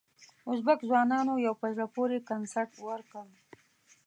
ازبک ځوانانو یو په زړه پورې کنسرت ورکړ.